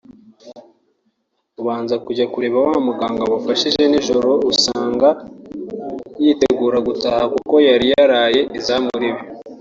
abanza kujya kureba wa muganga wabafashije nijoro asanga yitegura gutaha kuko yari yaraye izamu ribi